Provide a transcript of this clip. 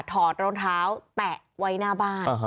ถอดรองเท้าแตะไว้หน้าบ้าน